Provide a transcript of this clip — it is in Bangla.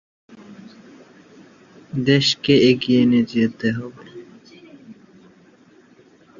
দুর্গাপূজা এই মন্দিরের প্রধান উৎসব।